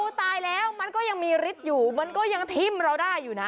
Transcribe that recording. ตายแล้วมันก็ยังมีฤทธิ์อยู่มันก็ยังทิ้มเราได้อยู่นะ